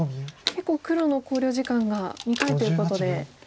結構黒の考慮時間が２回ということで。